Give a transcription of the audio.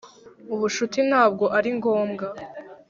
ubucuti ntabwo ari ngombwa